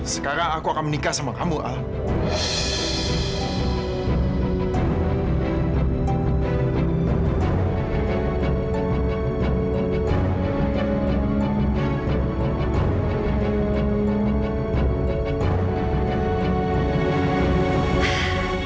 sekarang aku akan menikah sama kamu al